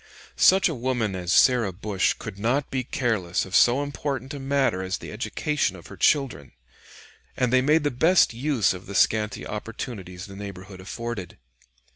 ] Such a woman as Sarah Bush could not be careless of so important a matter as the education of her children, and they made the best use of the scanty opportunities the neighborhood afforded.